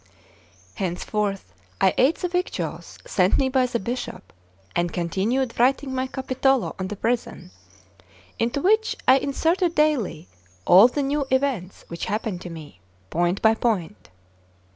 Henceforth I ate the victuals sent me by the Bishop, and continued writing my Capitolo on the prison, into which I inserted daily all the new events which happened to me, point by point.